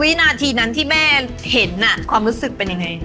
วินาทีนั้นที่แม่เห็นความรู้สึกเป็นยังไง